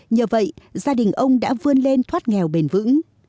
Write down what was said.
nhờ vậy gia đình ông đã vươn lên thoát nghèo bền vững